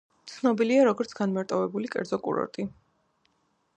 ცნობილია როგორც განმარტოვებული კერძო კურორტი.